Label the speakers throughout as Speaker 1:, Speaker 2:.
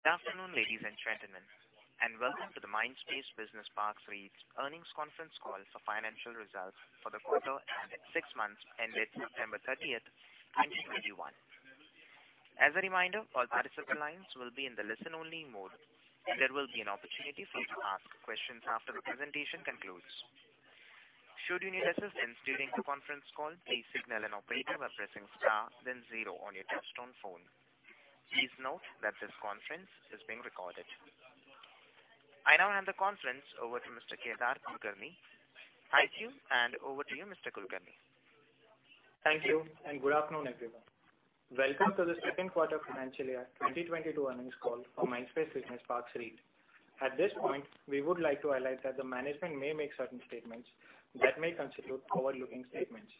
Speaker 1: Good afternoon, ladies and gentlemen, and welcome to the Mindspace Business Parks REIT's earnings conference call for financial results for the quarter and six months ended September 30, 2021. As a reminder, all participant lines will be in the listen-only mode. There will be an opportunity for you to ask questions after the presentation concludes. Should you need assistance during the conference call, please signal an operator by pressing star then zero on your touchtone phone. Please note that this conference is being recorded. I now hand the conference over to Mr. Kedar Kulkarni. Thank you, and over to you, Mr. Kulkarni.
Speaker 2: Thank you, and good afternoon, everyone. Welcome to the Q2 of financial year 2022 earnings call for Mindspace Business Parks REIT. At this point, we would like to highlight that the management may make certain statements that may constitute forward-looking statements.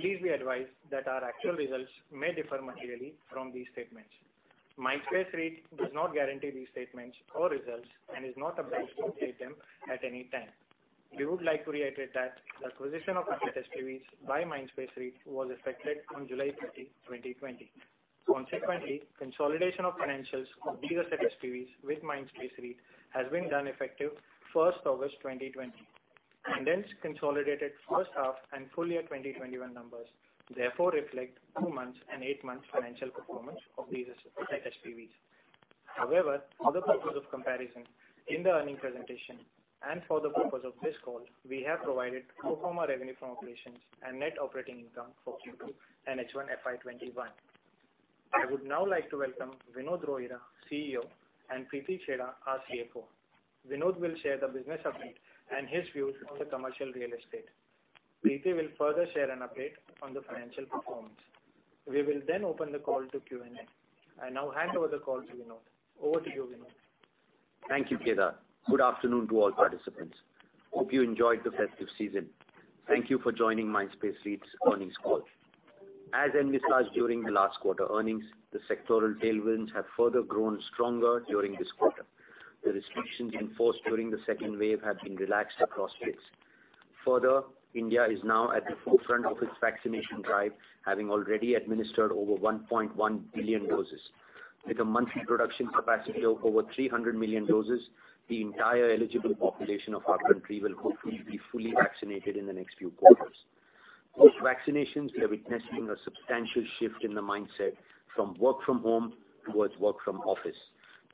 Speaker 2: Please be advised that our actual results may differ materially from these statements. Mindspace REIT does not guarantee these statements or results and is not obliged to update them at any time. We would like to reiterate that the acquisition of Asset SPVs by Mindspace REIT was effected on July 30, 2020. Consequently, consolidation of financials of these Asset SPVs with Mindspace REIT has been done effective August 1, 2020, and then consolidated H1 and full year 2021 numbers therefore reflect two months and eight months financial performance of these Asset SPVs. However, for the purpose of comparison in the earnings presentation and for the purpose of this call, we have provided pro forma revenue from operations and net operating income for Q2 and H1 FY 2021. I would now like to welcome Vinod Rohira, CEO, and Preeti Chheda, our CFO. Vinod will share the business update and his views on the commercial real estate. Preeti will further share an update on the financial performance. We will then open the call to Q&A. I now hand over the call to Vinod. Over to you, Vinod.
Speaker 3: Thank you, Kedar. Good afternoon to all participants. Hope you enjoyed the festive season. Thank you for joining Mindspace REIT's earnings call. As envisaged during the last quarter earnings, the sectoral tailwinds have further grown stronger during this quarter. The restrictions enforced during the second wave have been relaxed across states. Further, India is now at the forefront of its vaccination drive, having already administered over 1.1 billion doses. With a monthly production capacity of over 300 million doses, the entire eligible population of our country will hopefully be fully vaccinated in the next few quarters. Post vaccinations, we are witnessing a substantial shift in the mindset from work from home towards work from office.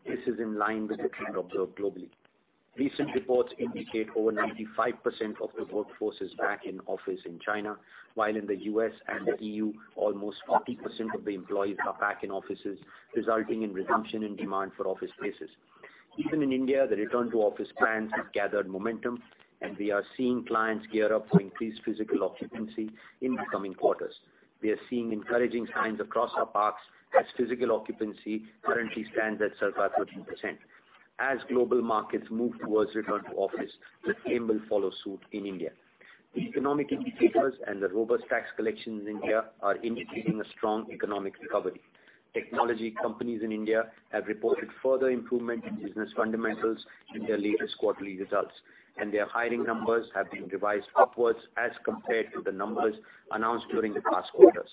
Speaker 3: This is in line with the trend observed globally. Recent reports indicate over 95% of the workforce is back in office in China, while in the U.S. and the E.U., almost 40% of the employees are back in offices, resulting in resumption in demand for office spaces. Even in India, the return to office plans have gathered momentum, and we are seeing clients gear up for increased physical occupancy in the coming quarters. We are seeing encouraging signs across our parks as physical occupancy currently stands at 75%. As global markets move towards return to office, the same will follow suit in India. Economic indicators and the robust tax collections in India are indicating a strong economic recovery. Technology companies in India have reported further improvement in business fundamentals in their latest quarterly results, and their hiring numbers have been revised upwards as compared to the numbers announced during the past quarters.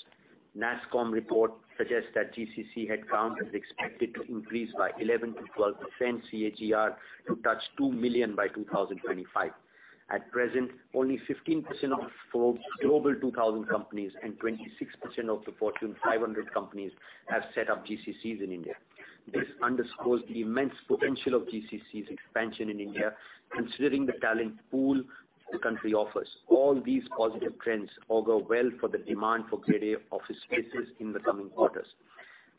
Speaker 3: NASSCOM report suggests that GCC headcount is expected to increase by 11%-12% CAGR to touch 2 million by 2025. At present, only 15% of Forbes Global 2000 companies and 26% of the Fortune 500 companies have set up GCCs in India. This underscores the immense potential of GCC's expansion in India, considering the talent pool the country offers. All these positive trends augur well for the demand for Grade A office spaces in the coming quarters.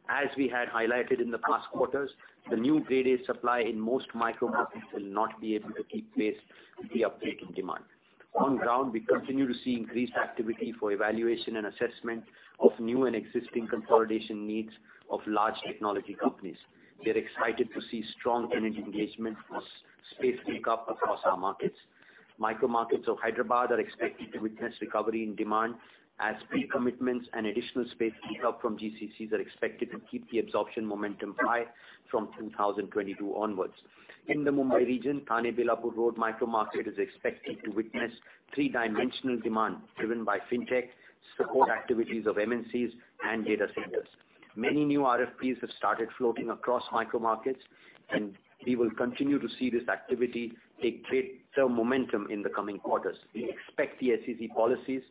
Speaker 3: As we had highlighted in the past quarters, the new Grade A supply in most micro markets will not be able to keep pace with the uptake in demand. On ground, we continue to see increased activity for evaluation and assessment of new and existing consolidation needs of large technology companies. We are excited to see strong tenant engagement on space take up across our markets. Micro-markets of Hyderabad are expected to witness recovery in demand as pre-commitments and additional space take up from GCCs are expected to keep the absorption momentum high from 2022 onwards. In the Mumbai region, Thane Belapur Road micro-market is expected to witness three-dimensional demand driven by Fintech, support activities of MNCs and data centers. Many new RFPs have started floating across micro-markets, and we will continue to see this activity take greater momentum in the coming quarters. We expect the SEZ policies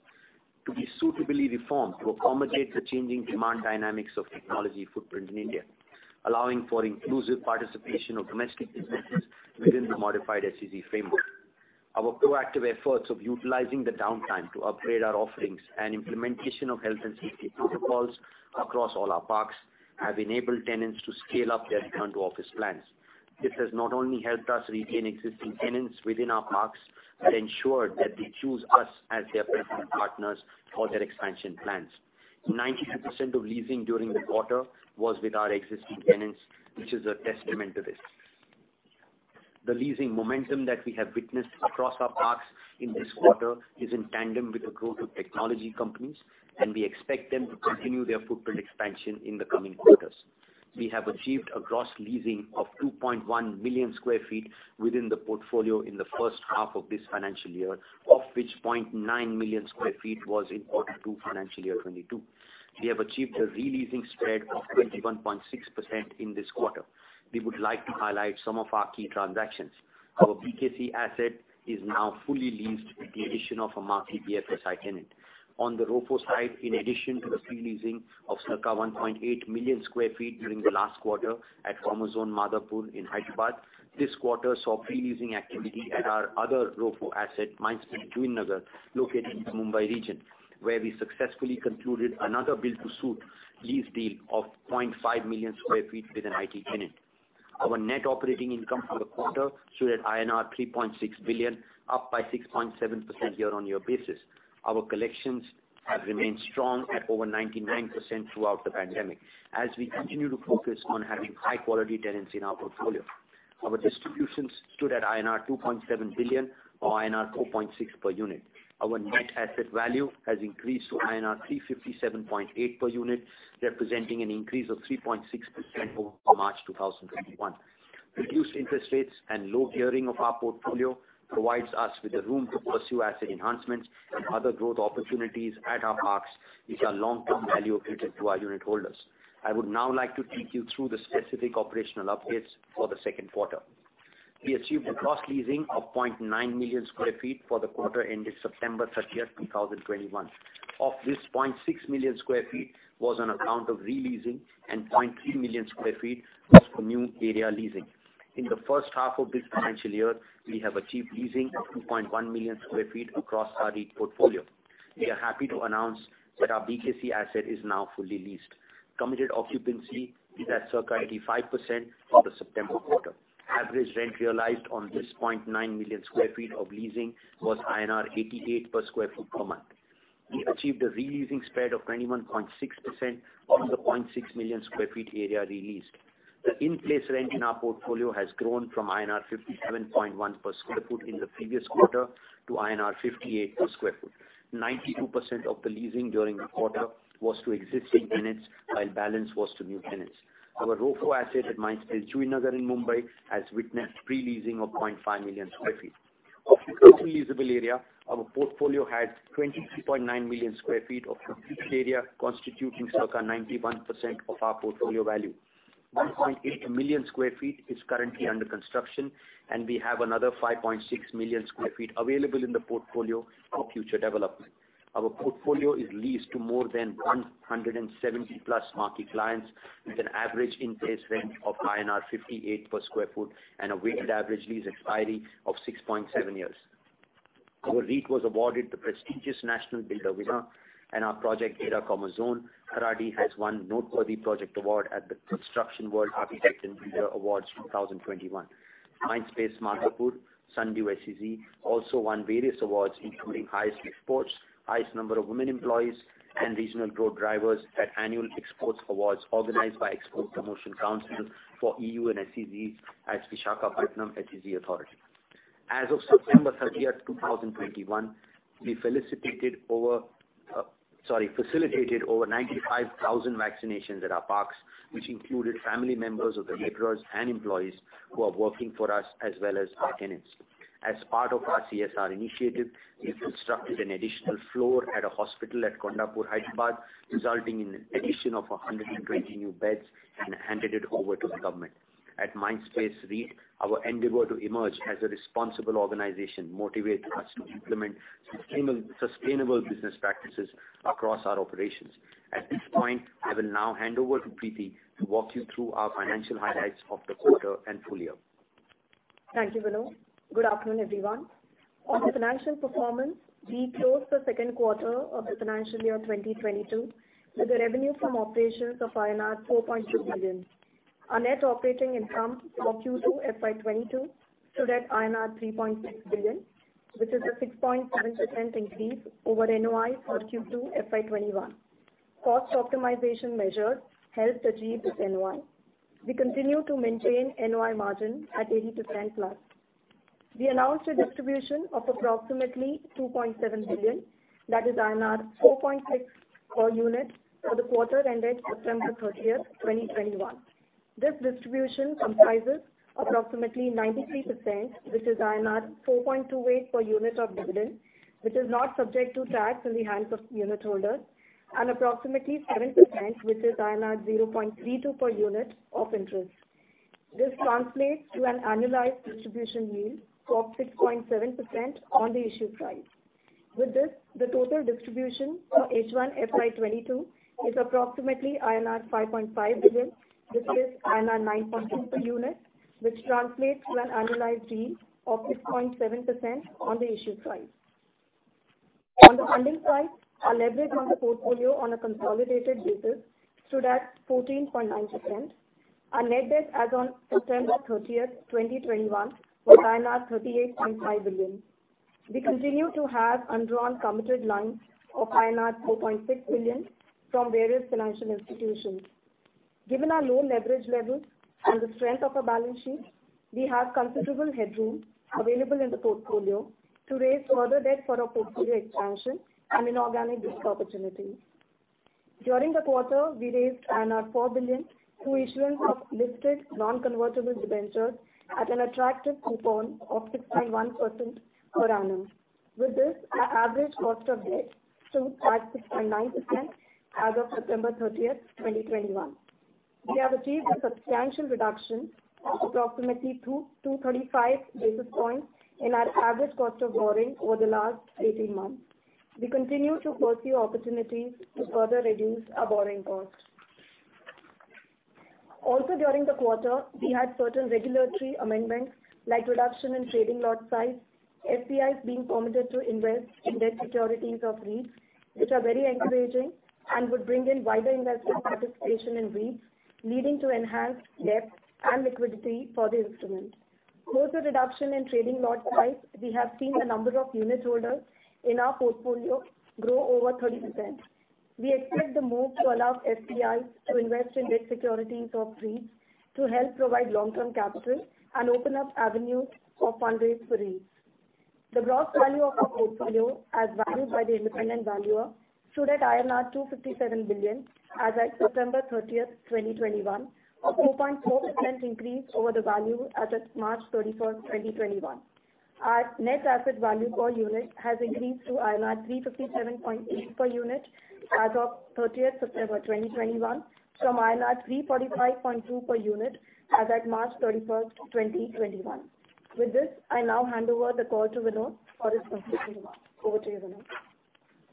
Speaker 3: to be suitably reformed to accommodate the changing demand dynamics of technology footprint in India, allowing for inclusive participation of domestic businesses within the modified SEZ framework. Our proactive efforts of utilizing the downtime to upgrade our offerings and implementation of health and safety protocols across all our parks have enabled tenants to scale up their return to office plans. This has not only helped us retain existing tenants within our parks, but ensured that they choose us as their preferred partners for their expansion plans. 92% of leasing during the quarter was with our existing tenants, which is a testament to this. The leasing momentum that we have witnessed across our parks in this quarter is in tandem with the growth of technology companies, and we expect them to continue their footprint expansion in the coming quarters. We have achieved a gross leasing of 2.1 million sq ft within the portfolio in the H1 of this financial year, of which 0.9 million sq ft was in quarter two financial year 2022. We have achieved a re-leasing spread of 21.6% in this quarter. We would like to highlight some of our key transactions. Our BKC asset is now fully leased with the addition of a marquee BFSI tenant. On the ROFO side, in addition to the pre-leasing of circa 1.8 million sq ft during the last quarter at Mindspace Madhapur in Hyderabad, this quarter saw pre-leasing activity at our other ROFO asset, Mindspace Juinagar, located in the Mumbai region, where we successfully concluded another build-to-suit lease deal of 0.5 million sq ft with an IT tenant. Our net operating income for the quarter stood at INR 3.6 billion, up by 6.7% year-on-year basis. Our collections have remained strong at over 99% throughout the pandemic, as we continue to focus on having high quality tenants in our portfolio. Our distributions stood at INR 2.7 billion, or INR 2.6 per unit. Our net asset value has increased to INR 357.8 per unit, representing an increase of 3.6% over March 2021. Reduced interest rates and low gearing of our portfolio provides us with the room to pursue asset enhancements and other growth opportunities at our parks with our long-term value accretive to our unit holders. I would now like to take you through the specific operational updates for the Q2. We achieved a gross leasing of 0.9 million sq ft for the quarter ending September 30, 2021. Of this, 0.6 million sq ft was on account of re-leasing, and 0.3 million sq ft was from new area leasing. In the H1 of this financial year, we have achieved leasing of 2.1 million sq ft across our REIT portfolio. We are happy to announce that our BKC asset is now fully leased. Committed occupancy is at circa 85% for the September quarter. Average rent realized on this 0.9 million sq ft of leasing was INR 88 per sq ft per month. We achieved a re-leasing spread of 21.6% on the 0.6 million sq ft area re-leased. The in-place rent in our portfolio has grown from INR 57.1 per sq ft in the previous quarter to INR 58 per sq ft. 92% of the leasing during the quarter was to existing tenants, while balance was to new tenants. Our ROFO asset at Mindspace Juinagar in Mumbai has witnessed pre-leasing of 0.5 million sq ft. Of the total leasable area, our portfolio has 23.9 million sq ft of completed area constituting circa 91% of our portfolio value. 1.8 million sq ft is currently under construction, and we have another 5.6 million sq ft available in the portfolio for future development. Our portfolio is leased to more than 170+ marquee clients with an average in-place rent of INR 58 per sq ft and a weighted average lease expiry of 6.7 years. Our REIT was awarded the prestigious National Builder winner, and our project, Gera Commerzone Kharadi, has won Noteworthy Project Award at the Construction World Architect and Builder Awards 2021. Mindspace Madhapur SEZ also won various awards, including Highest Exports, Highest Number of Women Employees, and Regional Growth Drivers at Annual Exports Awards organized by Export Promotion Council for EOUs and SEZs at Visakhapatnam Special Economic Zone Authority. As of September 30, 2021, we facilitated over 95,000 vaccinations at our parks, which included family members of the leaders and employees who are working for us, as well as our tenants. As part of our CSR initiative, we constructed an additional floor at a hospital at Kondapur, Hyderabad, resulting in addition of 120 new beds, and handed it over to the government. At Mindspace REIT, our endeavor to emerge as a responsible organization motivates us to implement sustainable business practices across our operations. At this point, I will now hand over to Preeti to walk you through our financial highlights of the quarter and full year.
Speaker 4: Thank you, Vinod. Good afternoon, everyone. On the financial performance, we closed the Q2 of the financial year 2022 with a revenue from operations of INR 4.2 billion. Our net operating income for Q2 FY 2022 stood at INR 3.6 billion, which is a 6.7% increase over NOI for Q2 FY 2021. Cost optimization measures helped achieve this NOI. We continue to maintain NOI margin at 80%+. We announced a distribution of approximately 2.7 billion, that is INR 4.6 per unit, for the quarter ended September 30, 2021. This distribution comprises approximately 93%, which is INR 4.28 per unit of dividend, which is not subject to tax in the hands of unit holders, and approximately 7%, which is INR 0.32 per unit of interest. This translates to an annualized distribution yield of 6.7% on the issue size. With this, the total distribution for H1 FY 2022 is approximately INR 5.5 billion. This is INR 9.2 per unit, which translates to an annualized yield of 6.7% on the issue size. On the funding side, our leverage on the portfolio on a consolidated basis stood at 14.9%. Our net debt as on September 30, 2021, was INR 38.5 billion. We continue to have undrawn committed lines of INR 4.6 billion from various financial institutions. Given our low leverage levels and the strength of our balance sheet, we have considerable headroom available in the portfolio to raise further debt for our portfolio expansion and inorganic growth opportunities. During the quarter, we raised 4 billion through issuance of listed non-convertible debentures at an attractive coupon of 6.1% per annum. With this, our average cost of debt stood at 6.9% as of September 30, 2021. We have achieved a substantial reduction of approximately 225 basis points in our average cost of borrowing over the last 18 months. We continue to pursue opportunities to further reduce our borrowing cost. Also, during the quarter, we had certain regulatory amendments, like reduction in trading lot size, FPIs being permitted to invest in debt securities of REITs, which are very encouraging and would bring in wider investor participation in REITs, leading to enhanced depth and liquidity for the instrument. Post the reduction in trading lot size, we have seen the number of unit holders in our portfolio grow over 30%. We expect the move to allow FPIs to invest in debt securities of REITs to help provide long-term capital and open up avenues of fundraising for REITs. The gross value of our portfolio as valued by the independent valuer stood at 257 billion as at September 30, 2021. A 2.4% increase over the value as of March 31, 2021. Our net asset value per unit has increased to INR 357.8 per unit as of September 30, 2021 from INR 345.2 per unit as at March 31, 2021. With this, I now hand over the call to Vinod for his concluding remarks. Over to you, Vinod.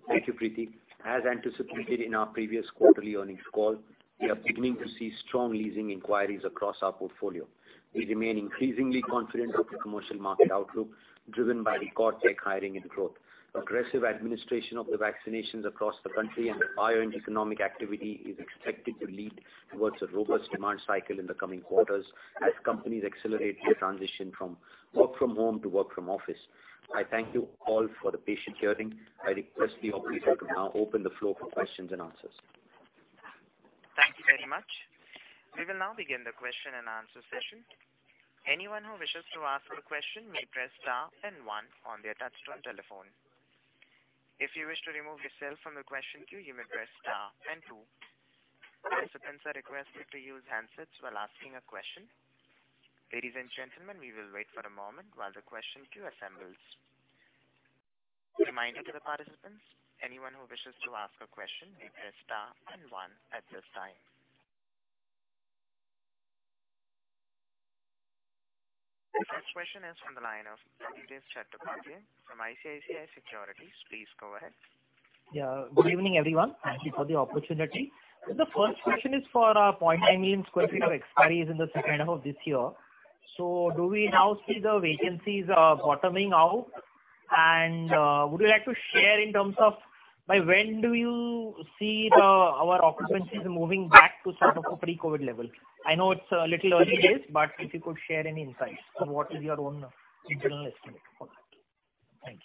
Speaker 3: Thank you, Preeti. As anticipated in our previous quarterly earnings call, we are beginning to see strong leasing inquiries across our portfolio. We remain increasingly confident of the commercial market outlook driven by the corporate hiring and growth. Aggressive administration of the vaccinations across the country and higher end economic activity is expected to lead towards a robust demand cycle in the coming quarters as companies accelerate their transition from work from home to work from office. I thank you all for the patient hearing. I request the operator to now open the floor for questions and answers.
Speaker 1: Thank you very much. We will now begin the question and answer session. The first question is from the line of Adhidev Chattopadhyay from ICICI Securities. Please go ahead.
Speaker 5: Yeah, good evening, everyone. Thank you for the opportunity. The first question is for 0.9 million sq ft of expiries in the H2 of this year. Do we now see the vacancies bottoming out? Would you like to share in terms of by when do you see our occupancies moving back to sort of a pre-COVID level? I know it's little early days, but if you could share any insights on what is your own internal estimate for that. Thank you.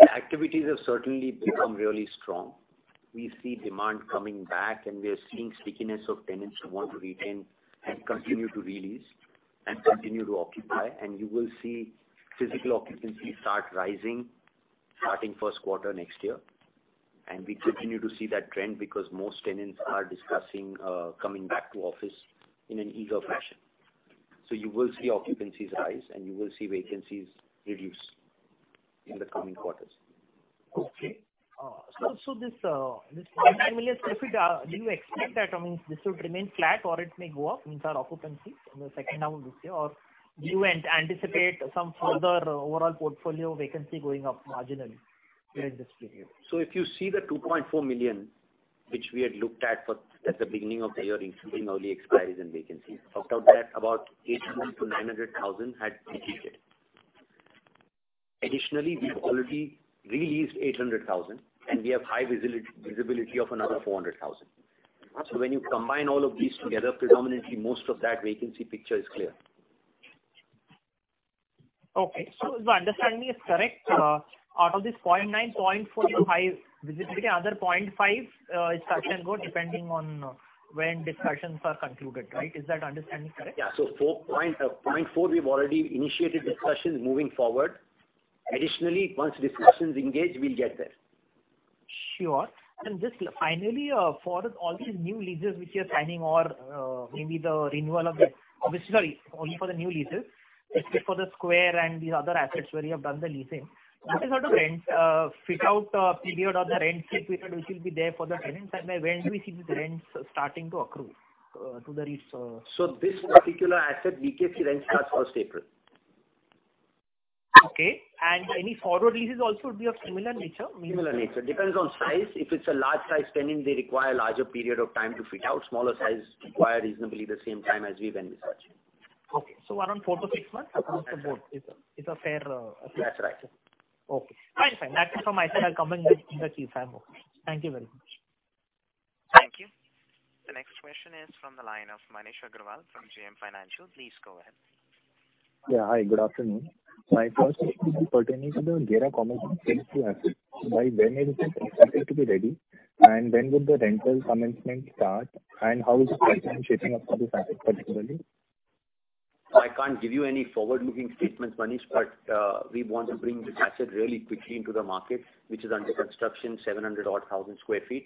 Speaker 3: The activities have certainly become really strong. We see demand coming back, and we are seeing stickiness of tenants who want to retain and continue to re-lease and continue to occupy, and you will see physical occupancy start rising starting Q1 next year. We continue to see that trend because most tenants are discussing coming back to office in an eager fashion. You will see occupancies rise, and you will see vacancies reduce in the coming quarters.
Speaker 5: This 0.9 million sq ft, do you expect that, I mean, this would remain flat, or it may go up, means our occupancy in the H2 of this year? Or do you anticipate some further overall portfolio vacancy going up marginally during this period?
Speaker 3: If you see the 2.4 million, which we had looked at at the beginning of the year, including early expiries and vacancies, it turned out that about 800,000-900,000 had been leased. Additionally, we've already re-leased 800,000, and we have high visibility of another 400,000. When you combine all of these together, predominantly most of that vacancy picture is clear.
Speaker 5: Okay. If my understanding is correct, out of this 0.9, 0.4 is high visibility. Another 0.5 is touch and go, depending on when discussions are concluded, right? Is that understanding correct?
Speaker 3: 4.4 we've already initiated discussions moving forward. Additionally, once discussions engage, we'll get there.
Speaker 5: Sure. Just finally, for all these new leases, especially for The Square and these other assets where you have done the leasing, what is sort of rent fit-out period or the rent-free period which will be there for the tenants? By when do we see these rents starting to accrue to the REITs?
Speaker 3: This particular asset BKC rent starts first April.
Speaker 5: Okay. Any forward leases also would be of similar nature means.
Speaker 3: Similar nature. Depends on size. If it's a large size tenant, they require a larger period of time to fit out. Smaller size require reasonably the same time as we've been researching.
Speaker 5: Okay. Around 4-6 months across the board is a fair.
Speaker 3: That's right.
Speaker 5: Okay. Fine. That's it from my side. I'll come in with any other things I have. Thank you very much.
Speaker 1: Thank you. The next question is from the line of Manish Agrawal from JM Financial. Please go ahead.
Speaker 6: Yeah. Hi, good afternoon. My first question would be pertaining to the Gera Commerzone phase two asset. By when is it expected to be ready, and when would the rental commencement start? How is collection shaping up for this asset particularly?
Speaker 3: I can't give you any forward-looking statements, Manish, but we want to bring the asset really quickly into the market, which is under construction, 700-odd thousand sq ft,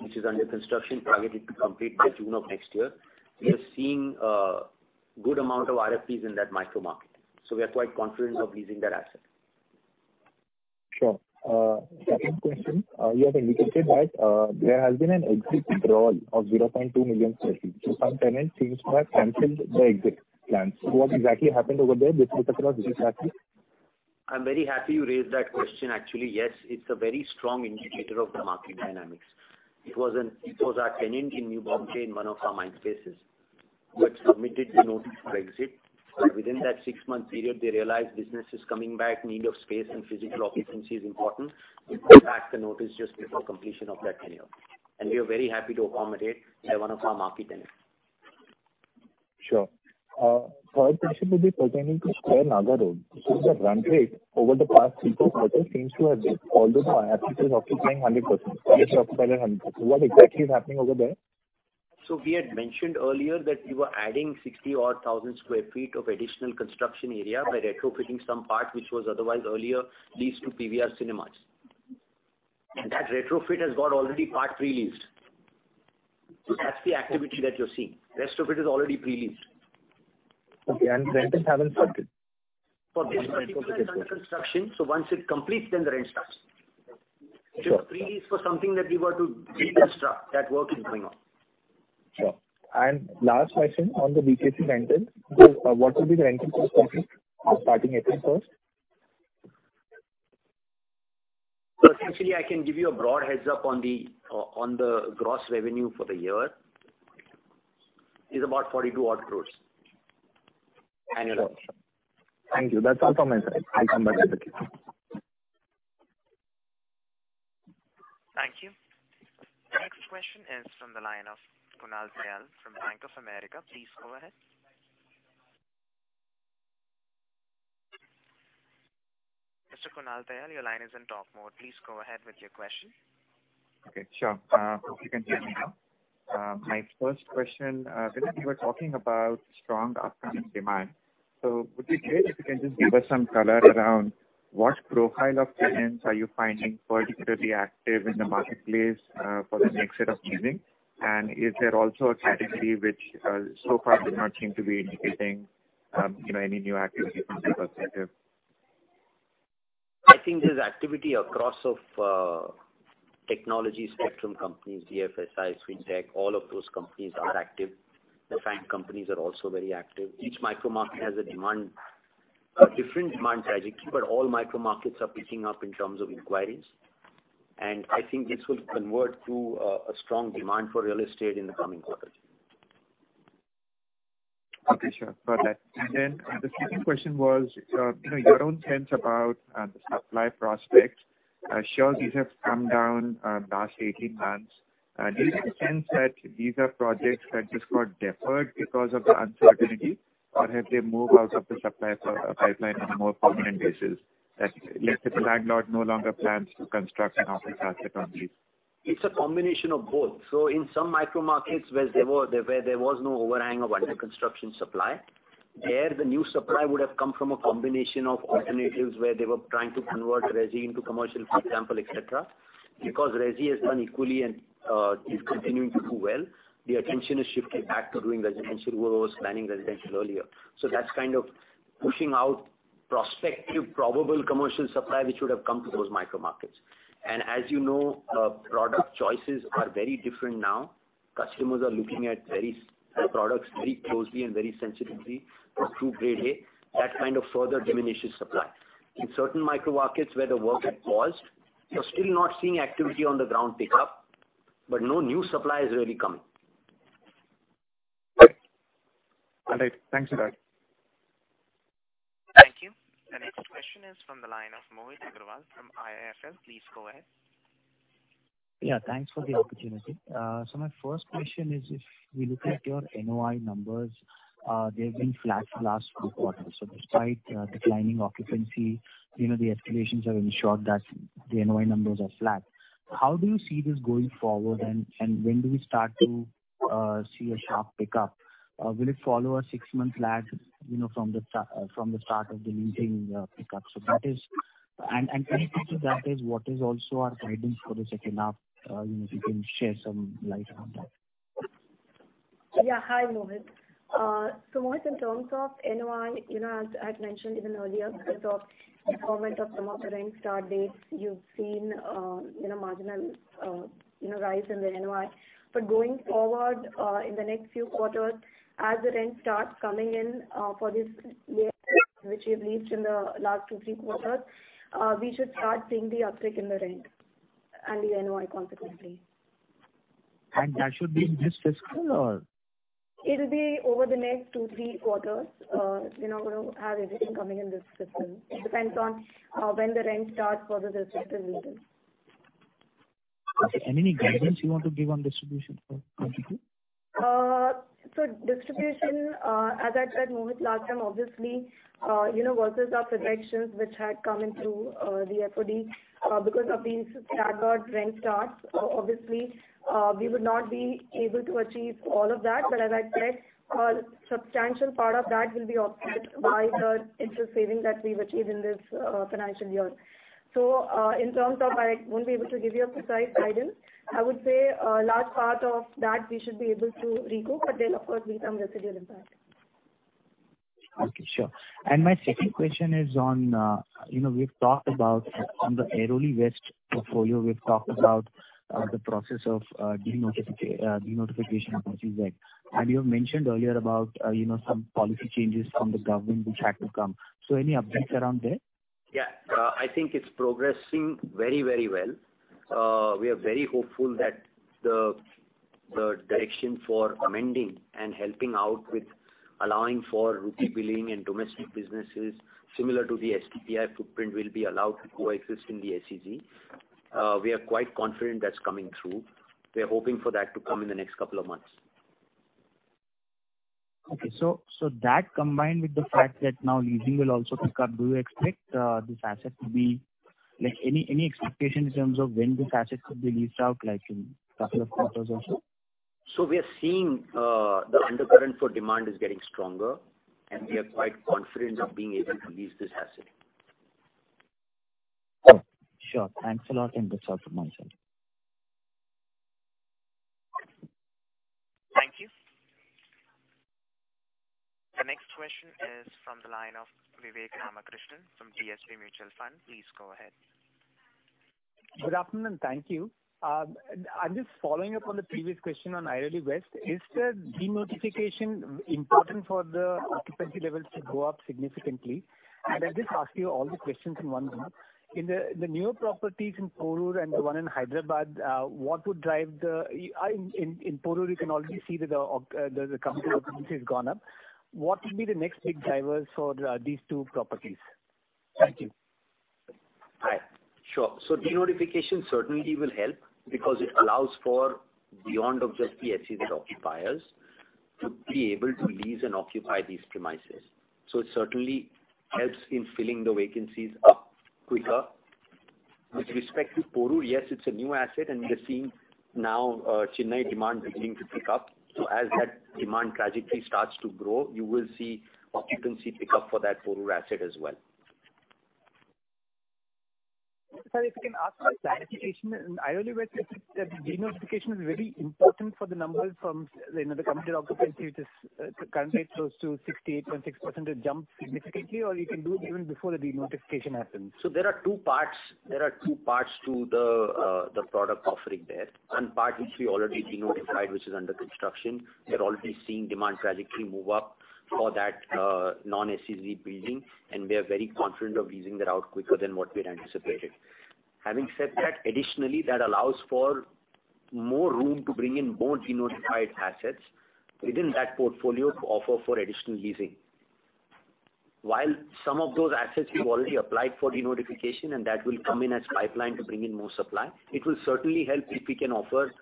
Speaker 3: which is under construction, targeted to complete by June of next year. We are seeing a good amount of RFPs in that micro market. We are quite confident of leasing that asset.
Speaker 6: Sure. Second question, you have indicated that there has been an exit withdrawal of 0.2 million sq ft. Some tenants seems to have canceled their exit plans. What exactly happened over there? Does it across the country?
Speaker 3: I'm very happy you raised that question, actually. Yes, it's a very strong indicator of the market dynamics. It was our tenant in New Bombay in one of our Mindspaces who had submitted the notice for exit. Within that six-month period, they realized business is coming back, need of space and physical occupancy is important. They put back the notice just before completion of that tenure. We are very happy to accommodate one of our major tenants.
Speaker 6: Sure. Third question would be pertaining to The Square, Nagar Road. The run rate over the past three, four quarters seems to have dipped, although the IRPT is occupying 100%. PS is occupied at 100%. What exactly is happening over there?
Speaker 3: We had mentioned earlier that we were adding 60,000-odd sq ft of additional construction area by retrofitting some part which was otherwise earlier leased to PVR Cinemas. That retrofit has got already part pre-leased. That's the activity that you're seeing. Rest of it is already pre-leased.
Speaker 6: Okay, the rentals haven't started.
Speaker 3: For this particular under construction, so once it completes, then the rent starts.
Speaker 6: Sure.
Speaker 3: It's a pre-lease for something that we were to build and start. That work is going on.
Speaker 6: Sure. Last question on the BKC rentals. What will be the rental perspective for starting April 1st?
Speaker 3: Essentially I can give you a broad heads-up on the gross revenue for the year. It's about 42 odd crores annually.
Speaker 6: Thank you. That's all from my side. I'll come back if required.
Speaker 1: Thank you. The next question is from the line of Kunal Tayal from Bank of America. Please go ahead. Mr. Kunal Tayal, your line is in talk mode. Please go ahead with your question.
Speaker 7: Okay, sure. Hope you can hear me now. My first question, Vinod, you were talking about strong upcoming demand. Would you care if you can just give us some color around what profile of tenants are you finding particularly active in the marketplace for the next set of leasing? Is there also a category which so far does not seem to be indicating, you know, any new activity from their perspective?
Speaker 3: I think there's activity across the technology spectrum companies, BFSI, Tech, all of those companies are active. The bank companies are also very active. Each micro market has a different demand trajectory, but all micro markets are picking up in terms of inquiries. I think this will convert to a strong demand for real estate in the coming quarters.
Speaker 7: Okay, sure. Got that. The second question was, you know, your own sense about the supply prospects. Pre-leases have come down last 18 months. Do you get a sense that these are projects that just got deferred because of the uncertainty, or have they moved out of the supply pipeline on a more permanent basis, that, like, the landlord no longer plans to construct an office as it comes in?
Speaker 3: It's a combination of both. In some micro markets where there was no overhang of underconstruction supply, there the new supply would have come from a combination of alternatives where they were trying to convert resi into commercial, for example, et cetera. Because resi has done equally and is continuing to do well, the attention has shifted back to doing residential versus planning residential earlier. That's kind of pushing out prospective probable commercial supply which would have come to those micro markets. As you know, product choices are very different now. Customers are looking at very specific products very closely and very sensitively through Grade A. That kind of further diminishes supply. In certain micro markets where the work had paused, we're still not seeing activity on the ground pick up, but no new supply is really coming.
Speaker 7: All right. Thanks a lot.
Speaker 1: Thank you. The next question is from the line of Mohit Agrawal from IIFL. Please go ahead.
Speaker 8: Yeah, thanks for the opportunity. My first question is, if we look at your NOI numbers, they've been flat last two quarters. Despite declining occupancy, you know, the escalations have ensured that the NOI numbers are flat. How do you see this going forward? And when do we start to see a sharp pickup? Will it follow a six-month lag, you know, from the start of the leasing pickup? That is connected to what is also our guidance for the H2, you know, if you can share some light on that.
Speaker 4: Yeah, hi, Mohit. Mohit, in terms of NOI, you know, as I had mentioned even earlier, because of the commencement of some of the rent start dates, you've seen, you know, marginal, you know, rise in the NOI. Going forward, in the next few quarters, as the rent starts coming in, for this year, which we've leased in the last two, three quarters, we should start seeing the uptick in the rent and the NOI consequently.
Speaker 8: That should be this fiscal or?
Speaker 4: It'll be over the next two, three quarters. We're not gonna have everything coming in this system. It depends on when the rent starts for those respective leases.
Speaker 8: Any guidance you want to give on distribution for 2022?
Speaker 4: Distribution, as I'd said, Mohit Agrawal, last time, obviously, you know, versus our projections which had come in through the OFD, because of these staggered rent starts, obviously, we would not be able to achieve all of that. As I said, a substantial part of that will be offset by the interest saving that we've achieved in this financial year. In terms of, I won't be able to give you a precise guidance. I would say a large part of that we should be able to recoup, but there'll of course be some residual impact.
Speaker 8: Okay, sure. My second question is on, you know, we've talked about the Airoli West portfolio, the process of denotification of SEZ. You have mentioned earlier about, you know, some policy changes from the government which had to come. Any updates around there?
Speaker 3: Yeah. I think it's progressing very, very well. We are very hopeful that the direction for amending and helping out with allowing for rupee billing and domestic businesses similar to the STPI footprint will be allowed to coexist in the SEZ. We are quite confident that's coming through. We are hoping for that to come in the next couple of months.
Speaker 8: Okay. That combined with the fact that now leasing will also pick up, do you expect this asset to be like any expectation in terms of when this asset could be leased out, like in couple of quarters or so?
Speaker 3: We are seeing the undercurrent for demand is getting stronger, and we are quite confident of being able to lease this asset.
Speaker 8: Okay. Sure. Thanks a lot. That's all from myself.
Speaker 1: Thank you. The next question is from the line of Vivek Ramakrishnan from DSP Mutual Fund. Please go ahead.
Speaker 9: Good afternoon. Thank you. I'm just following up on the previous question on Airoli West. Is the denotification important for the occupancy levels to go up significantly? I'll just ask you all the questions in one go. In the newer properties in Porur and the one in Hyderabad, what would drive them. In Porur you can already see that the occupancy has gone up. What will be the next big drivers for these two properties? Thank you.
Speaker 3: Denotification certainly will help because it allows for beyond just the SEZ occupiers to be able to lease and occupy these premises. It certainly helps in filling the vacancies up quicker. With respect to Porur, yes, it's a new asset, and we are seeing now, Chennai demand beginning to pick up. As that demand trajectory starts to grow, you will see occupancy pick up for that Porur asset as well.
Speaker 9: Sir, if you can ask for clarification, in Airoli West, the denotification is very important for the numbers from, you know, the company occupancy, which is currently close to 68.6% to jump significantly or you can do it even before the denotification happens?
Speaker 3: There are two parts to the product offering there. One part which we already denotified, which is under construction. We're already seeing demand trajectory move up for that non-SEZ building, and we are very confident of leasing that out quicker than what we had anticipated. Having said that, additionally, that allows for more room to bring in more denotified assets within that portfolio to offer for additional leasing. While some of those assets we've already applied for denotification, and that will come in as pipeline to bring in more supply, it will certainly help if we can offer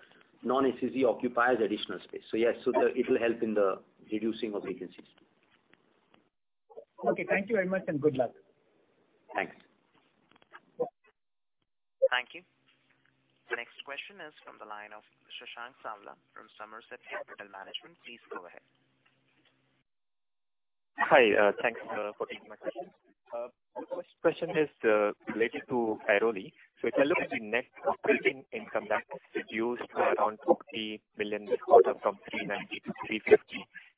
Speaker 3: non-SEZ occupiers additional space. Yes, it will help in the reducing of vacancies.
Speaker 9: Okay, thank you very much, and good luck.
Speaker 3: Thanks.
Speaker 1: Thank you. The next question is from the line of Shashank Savla from Somerset Capital Management. Please go ahead.
Speaker 10: Hi, thanks for taking my questions. First question is related to Airoli. If I look at the net operating income that reduced to around 40 million quarter from 390 to 350,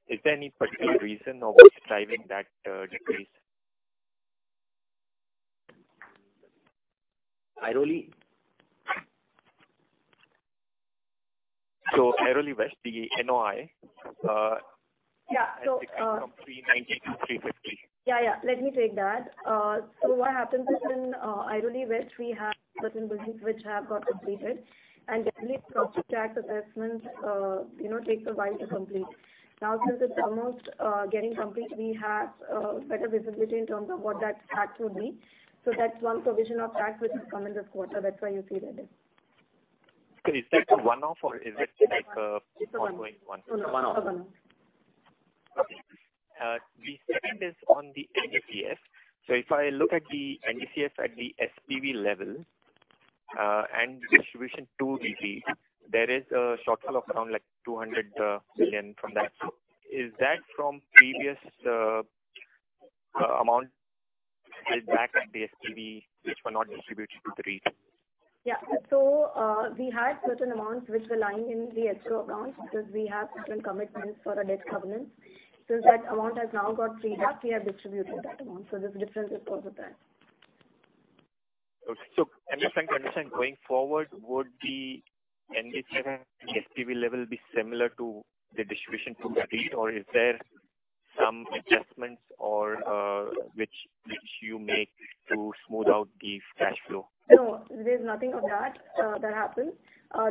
Speaker 10: is there any particular reason or what's driving that decrease?
Speaker 3: Airoli?
Speaker 10: Airoli West, the NOI.
Speaker 4: Yeah.
Speaker 10: Has declined from 390 to 350.
Speaker 4: Yeah, yeah. Let me take that. What happens is in Airoli West, we have certain buildings which have got completed. Definitely property tax assessment, you know, takes a while to complete. Now, since it's almost getting complete, we have better visibility in terms of what that tax would be. That's one provision of tax which has come in this quarter. That's why you see that there.
Speaker 10: Okay. Is that a one-off or is it like?
Speaker 4: It's a one-off.
Speaker 10: Ongoing one?
Speaker 3: It's a one-off.
Speaker 4: A one-off.
Speaker 10: Okay. The second is on the NDCF. If I look at the NDCF at the SPV level and distribution to REIT, there is a shortfall of around like 200 million from that. Is that from previous amount paid back at the SPV which were not distributed to the REIT?
Speaker 4: We had certain amounts which were lying in the escrow accounts because we have certain commitments for our debt covenants. Since that amount has now got freed up, we have distributed that amount. This difference is because of that.
Speaker 10: Okay. Am I trying to understand, going forward, would the NDCF at the SPV level be similar to the distribution to REIT, or is there some adjustments or which you make to smooth out the cash flow?
Speaker 4: No, there's nothing of that that happens.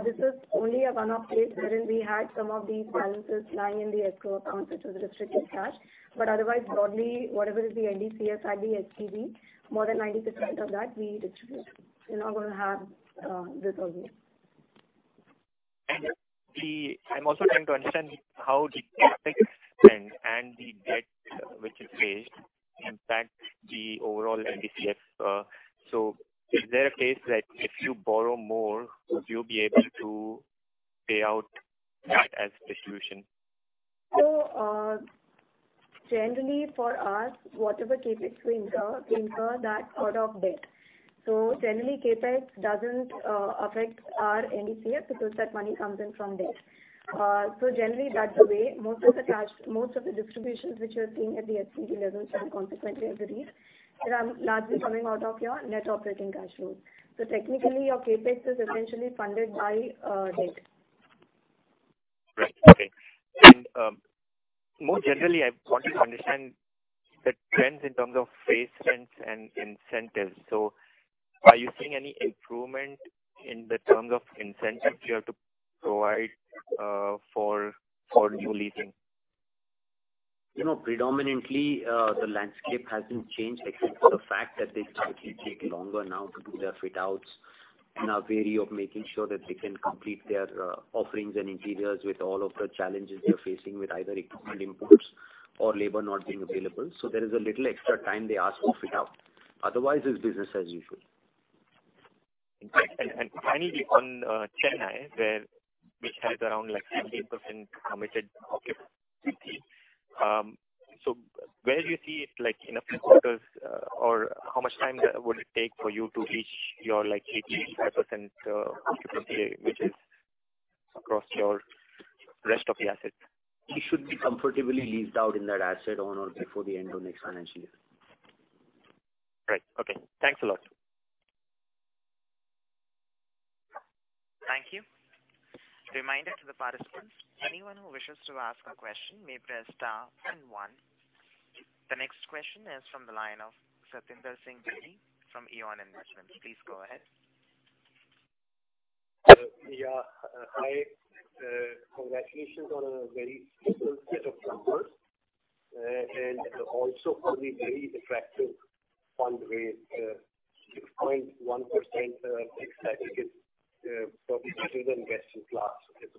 Speaker 4: This is only a one-off case wherein we had some of these balances lying in the escrow accounts, which was restricted cash. Otherwise, broadly, whatever is the NDCF at the SPV, more than 90% of that we distribute. We're not gonna have this always.
Speaker 10: I'm also trying to understand how the CapEx spend and the debt which you raised impact the overall NDCF. Is there a case that if you borrow more, would you be able to pay out that as distribution?
Speaker 4: Generally for us, whatever CapEx we incur, we incur that out of debt. Generally CapEx doesn't affect our NDCF because that money comes in from debt. Generally that's the way most of the cash, most of the distributions which you're seeing at the SPV level and consequently as a REIT, largely coming out of your net operating cash flows. Technically your CapEx is essentially funded by debt.
Speaker 10: Right. Okay. More generally, I want to understand the trends in terms of space trends and incentives. Are you seeing any improvement in the terms of incentives you have to provide for new leasing?
Speaker 3: You know, predominantly, the landscape hasn't changed except for the fact that they slightly take longer now to do their fit outs and are wary of making sure that they can complete their offerings and interiors with all of the challenges they're facing with either equipment imports or labor not being available. There is a little extra time they ask for fit out. Otherwise it's business as usual.
Speaker 10: Finally on Chennai, which has around like 17% committed occupancy, so where do you see it like in a few quarters, or how much time would it take for you to reach your like 85% occupancy, which is across the rest of the assets?
Speaker 3: It should be comfortably leased out in that asset on or before the end of next financial year.
Speaker 10: Right. Okay. Thanks a lot.
Speaker 1: Thank you. Reminder to the participants, anyone who wishes to ask a question may press star then one. The next question is from the line of Satinder Singh Billi from EON Investments. Please go ahead.
Speaker 11: Yeah. Hi. Congratulations on a very stable set of numbers, and also for the very attractive fundraise, 6.1%, fixed I think is probably better than best in class.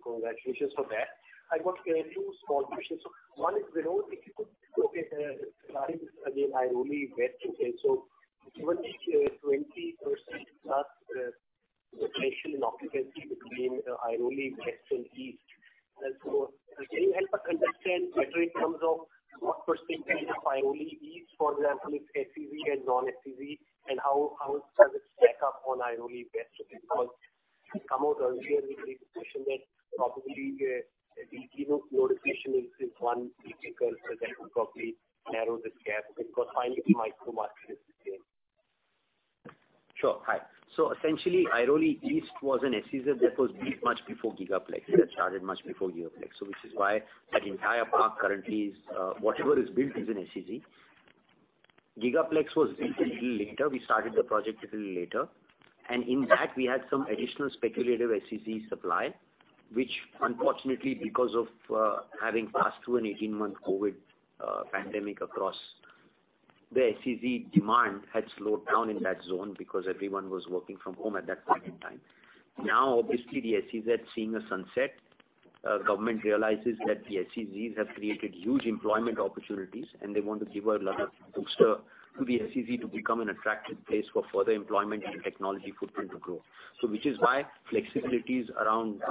Speaker 11: Congratulations for that. I got two small questions. One is, Vinod, if you could, starting with again Airoli West. Given the 20%+ deflation in occupancy between Airoli West and East, can you help us understand better in terms of what percentage of Airoli East, for example, is SEZ and non-SEZ, and how does it stack up on Airoli West? Because you come out earlier with a discussion that probably denotification is one big trigger so that would probably narrow this gap because finally the micro market is the same.
Speaker 3: Sure. Hi. Essentially Airoli East was an SEZ that was built much before Gigaplex. It had started much before Gigaplex. Which is why that entire park currently is, whatever is built is an SEZ. Gigaplex was built a little later. We started the project a little later, and in that we had some additional speculative SEZ supply, which unfortunately because of having passed through an 18-month COVID pandemic across the SEZ demand had slowed down in that zone because everyone was working from home at that point in time. Now, obviously the SEZ seeing a sunset, government realizes that the SEZs have created huge employment opportunities and they want to give a lot of boost to the SEZ to become an attractive place for further employment and technology footprint to grow. Which is why flexibilities around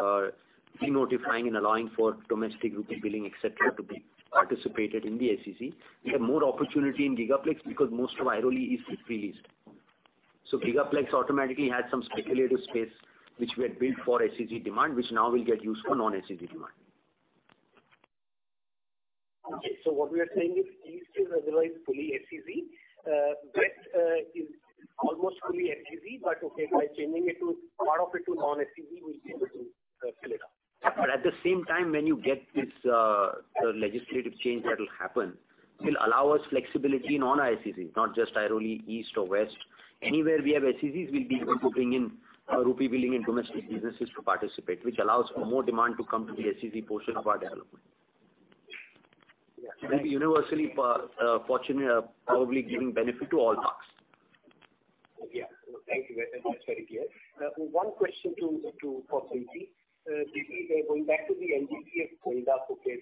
Speaker 3: denotifying and allowing for domestic rupee billing, et cetera, to be participated in the SEZ. We have more opportunity in Gigaplex because most of Airoli East is pre-leased. Gigaplex automatically has some speculative space which we had built for SEZ demand, which now will get used for non-SEZ demand.
Speaker 11: Okay. What we are saying is East is otherwise fully SEZ. West is almost fully SEZ, but okay, by changing part of it to non-SEZ, we'll be able to fill it up.
Speaker 3: At the same time, when you get this, the legislative change that will happen, it'll allow us flexibility in all our SEZs, not just Airoli East or West. Anywhere we have SEZs, we'll be able to bring in rupee billing and domestic businesses to participate, which allows for more demand to come to the SEZ portion of our development.
Speaker 11: Yeah.
Speaker 3: It will be universally fortunate, probably giving benefit to all parks.
Speaker 11: Yeah. Thank you. That's very clear. One question for Preeti. Preeti, going back to the NDCF buildup. Okay.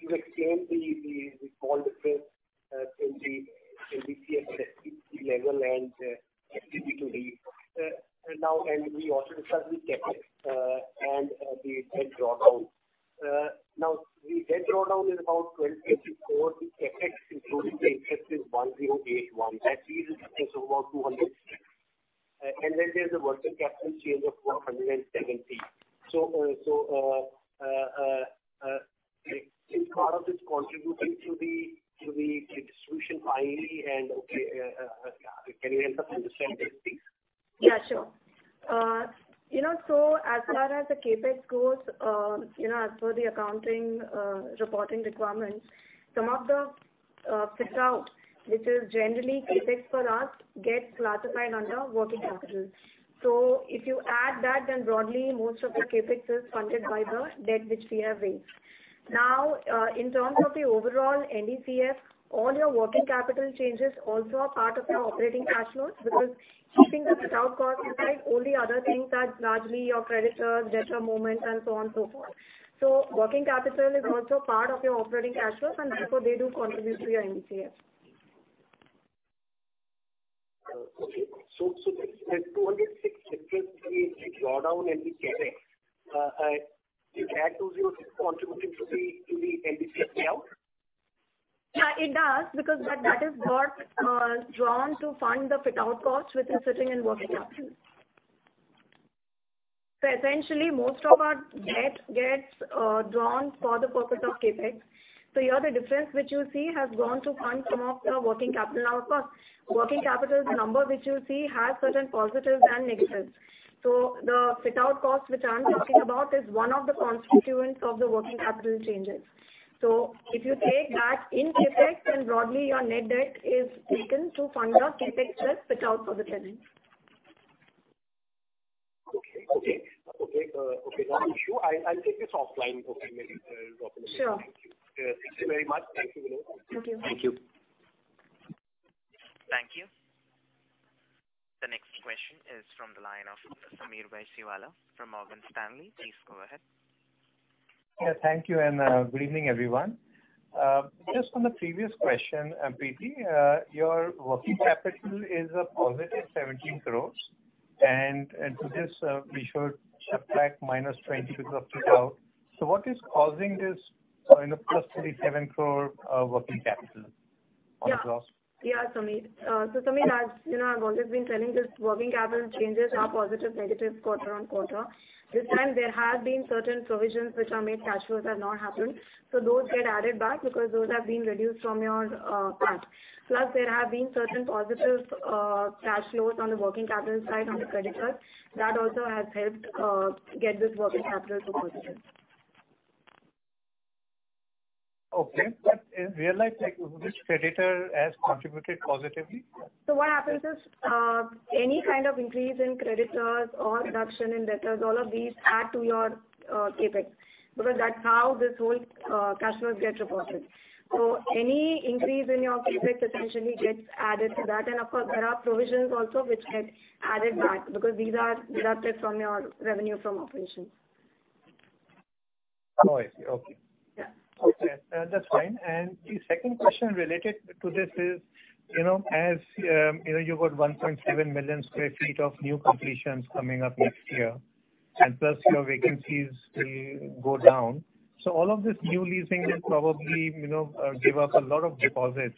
Speaker 11: You explained the cash difference between NDCF at FFO level and FFO to REIT. Now we also discussed the CapEx and the debt drawdown. Now the debt drawdown is about 2,034. The CapEx, including the interest is 1,081. That leaves a difference of about 200. Then there's a working capital change of 170. Is part of this contributing to the distribution finally? Can you help us understand this please?
Speaker 4: Yeah, sure. You know, so as far as the CapEx goes, you know, as per the accounting reporting requirements, some of the fit out, which is generally CapEx for us, gets classified under working capital. If you add that, then broadly most of the CapEx is funded by the debt which we have raised. Now, in terms of the overall NDCF, all your working capital changes also are part of your operating cash flows because keeping the fit out costs aside, all the other things are largely your creditors, debt repayments and so on and so forth. Working capital is also part of your operating cash flows and therefore they do contribute to your NDCF.
Speaker 11: This 206 difference we draw down in the CapEx, it add to zero contributing to the NDCF fit-out?
Speaker 4: Yeah, it does because that is got drawn to fund the fit out costs which is sitting in working capital. Essentially most of our debt gets drawn for the purpose of CapEx. Here the difference which you see has gone to fund some of the working capital. Now of course, working capital is a number which you see has certain positives and negatives. The fit out cost which I'm talking about is one of the constituents of the working capital changes. If you take that in CapEx and broadly your net debt is taken to fund your CapEx plus fit out for the tenants.
Speaker 11: Okay. Okay, got it. Sure. I'll take this offline. Okay, maybe talk a little bit.
Speaker 4: Sure.
Speaker 11: Thank you. Thank you very much. Thank you, Vinod.
Speaker 4: Thank you.
Speaker 1: Thank you. The next question is from the line of Sameer Baisiwala from Morgan Stanley. Please go ahead.
Speaker 12: Yeah, thank you and, good evening, everyone. Just on the previous question, Preeti, your working capital is a positive 17 crore and to this, we should subtract minus 20 because of fit out. What is causing this, you know, plus 37 crore working capital on the gross?
Speaker 4: Sameer, as you know, I've always been telling this working capital changes are positive, negative quarter-on-quarter. This time there have been certain provisions which are made, cash flows have not happened. So those get added back because those have been reduced from your grant. Plus there have been certain positives, cash flows on the working capital side on the creditors. That also has helped get this working capital to positive.
Speaker 12: Okay. In real life, like which creditor has contributed positively?
Speaker 4: What happens is, any kind of increase in creditors or reduction in debtors, all of these add to your CapEx, because that's how this whole cash flows get reported. Any increase in your CapEx essentially gets added to that. Of course, there are provisions also which get added back because these are taken from your revenue from operations.
Speaker 12: Oh, I see. Okay.
Speaker 4: Yeah.
Speaker 12: Okay. That's fine. The second question related to this is, you know, as you know, you've got 1.7 million sq ft of new completions coming up next year, and plus your vacancies will go down. All of this new leasing will probably, you know, tie up a lot of deposits.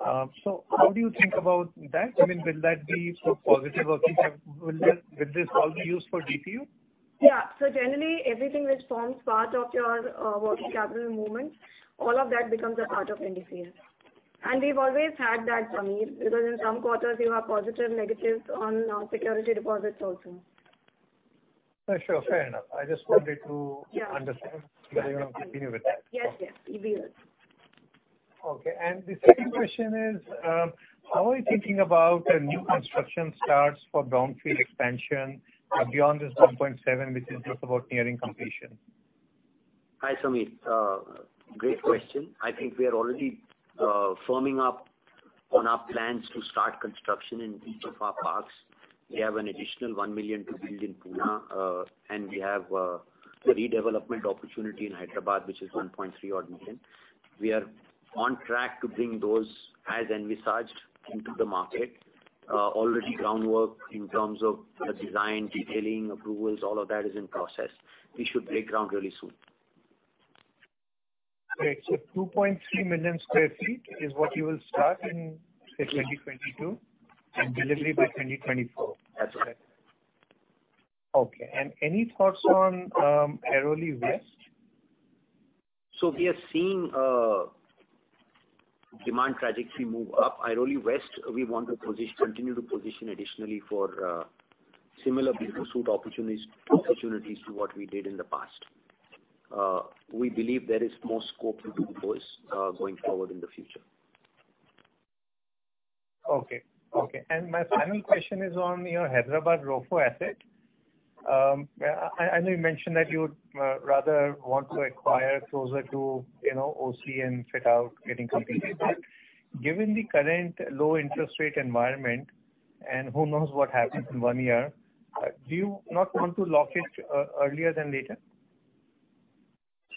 Speaker 12: How do you think about that? I mean, will that be for positive working capital? Will this all be used for DPU?
Speaker 4: Yeah. Generally everything which forms part of your, working capital movement, all of that becomes a part of NDCF. We've always had that, Sameer, because in some quarters you have positive, negatives on, security deposits also.
Speaker 12: Sure. Fair enough. I just wanted to
Speaker 4: Yeah.
Speaker 12: Understand whether you're gonna continue with that.
Speaker 4: Yes. Yes. We will.
Speaker 12: Okay. The second question is, how are you thinking about the new construction starts for brownfield expansion beyond this 1.7 which is just about nearing completion?
Speaker 3: Hi, Sameer. Great question. I think we are already firming up on our plans to start construction in each of our parks. We have an additional 1 million to build in Pune. We have a redevelopment opportunity in Hyderabad, which is 1.3 odd million. We are on track to bring those as envisaged into the market. Already, groundwork in terms of the design, detailing, approvals, all of that is in process. We should break ground really soon.
Speaker 12: Great. 2.3 million sq ft is what you will start in, say, 2022, and delivery by 2024.
Speaker 3: That's right.
Speaker 12: Okay. Any thoughts on Airoli West?
Speaker 3: We are seeing demand trajectory move up. Airoli West, we want to continue to position additionally for similar business suite opportunities to what we did in the past. We believe there is more scope to do both going forward in the future.
Speaker 12: Okay. Okay. My final question is on your Hyderabad ROFO asset. I know you mentioned that you would rather want to acquire closer to, you know, OC and fit out getting completed. But given the current low interest rate environment, and who knows what happens in one year, do you not want to lock it earlier than later?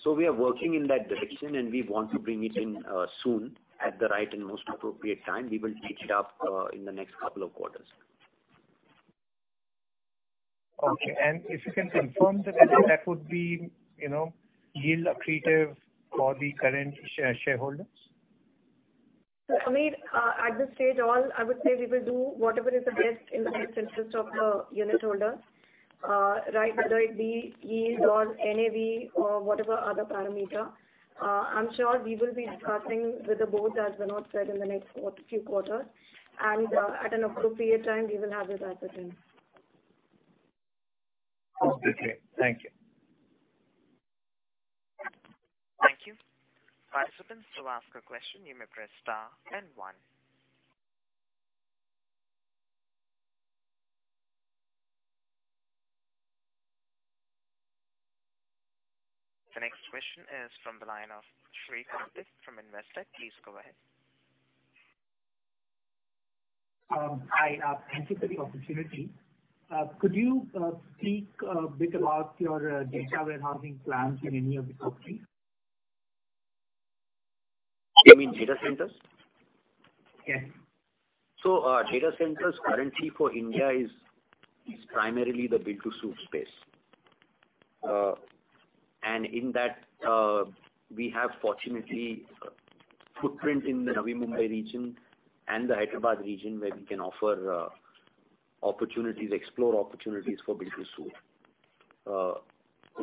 Speaker 3: We are working in that direction, and we want to bring it in soon at the right and most appropriate time. We will take it up in the next couple of quarters.
Speaker 12: Okay. If you can confirm that would be, you know, yield accretive for the current shareholders.
Speaker 4: Sameer, at this stage, all I would say we will do whatever is the best in the interest of the unit holder, right? Whether it be yield or NAV or whatever other parameter. I'm sure we will be discussing with the board, as Vinod said, in the next few quarters. At an appropriate time, we will have this answered then.
Speaker 12: Okay. Thank you.
Speaker 1: Thank you. Participants, to ask a question, you may press star then one. The next question is from the line of Srikanth from Investor. Please go ahead.
Speaker 13: Hi. Thank you for the opportunity. Could you speak a bit about your data warehousing plans in any of the properties?
Speaker 3: You mean data centers?
Speaker 13: Yes.
Speaker 3: Data centers currently for India is primarily the build-to-suit space. In that, we have fortunately footprint in the Navi Mumbai region and the Hyderabad region where we can explore opportunities for build-to-suit.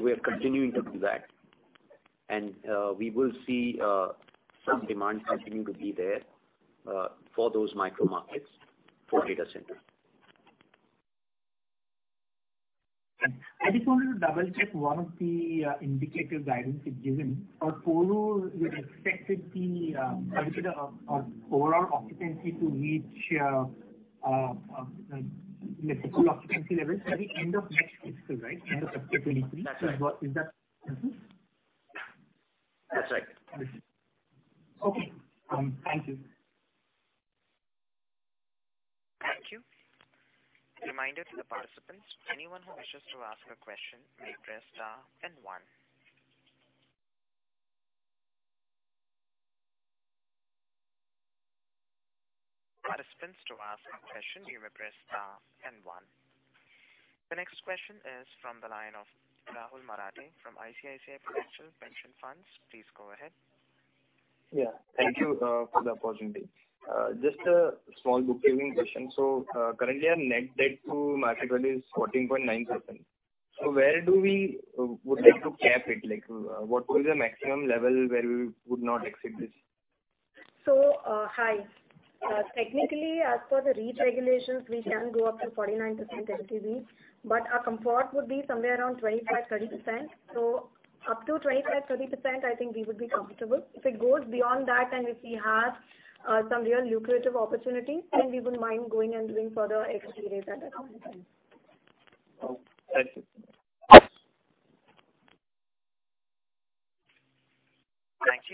Speaker 3: We are continuing to do that. We will see some demand continuing to be there for those micro markets for data center.
Speaker 13: I just wanted to double-check one of the indicative guidance you've given. For Porur, you'd expected the, I think the overall occupancy to reach, like full occupancy levels by the end of next fiscal, right? End of fiscal 2023.
Speaker 3: That's right.
Speaker 13: What is that occupancy?
Speaker 3: That's right.
Speaker 13: Okay. Thank you.
Speaker 1: Thank you. Reminder to the participants, anyone who wishes to ask a question may press star then one. Participants, to ask a question you may press star and one. The next question is from the line of Rahul Marathe from ICICI Prudential Pension Funds. Please go ahead.
Speaker 14: Thank you for the opportunity. Just a small bookkeeping question. Currently our net debt to market value is 14.9%. Where would we like to cap it? Like, what will be the maximum level where we would not exceed this?
Speaker 4: Technically as per the REIT regulations, we can go up to 49% LTV, but our comfort would be somewhere around 25-30%. Up to 25-30% I think we would be comfortable. If it goes beyond that and if we have some real lucrative opportunities, then we wouldn't mind going and doing further SPVs at that point in time.
Speaker 14: Okay. Thank you.